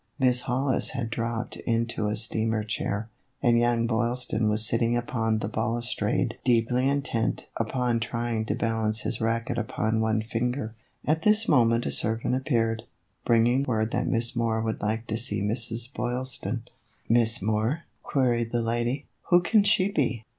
Miss Hollis had dropped into a steamer chair, and young Boylston was sitting upon the balustrade deeply intent upon trying to balance his racquet upon one finger. At this moment a servant appeared, bringing word that Miss Moore would like to see Mrs. Boylston. 126 THE EVOLUTION OF A BONNET. "Miss Moore?" queried the lady. "Who can she be?